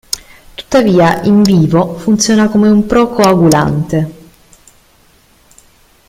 Tuttavia "in vivo", funziona come un pro-coagulante.